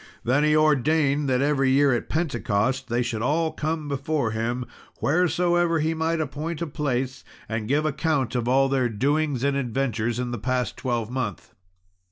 Then he ordained that, every year at Pentecost, they should all come before him, wheresoever he might appoint a place, and give account of all their doings and adventures of the past twelvemonth.